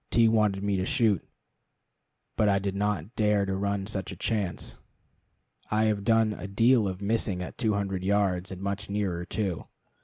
T wanted me to shoot, but I did not dare to run such a chance. I have done a deal of missing at two hundred yards, and much nearer, too.